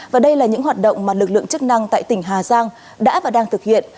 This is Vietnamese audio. và đây là những hoạt động mà lực lượng chức năng tại tỉnh hà giang đã và đang thực hiện